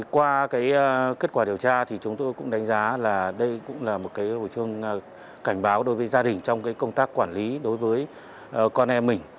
qua kết quả điều tra thì chúng tôi cũng đánh giá là đây cũng là một hội chương cảnh báo đối với gia đình trong công tác quản lý đối với con em mình